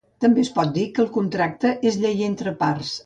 També es pot dir que el contracte és llei entre parts.